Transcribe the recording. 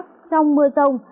trong mưa rông